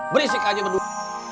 berisik aja penduduk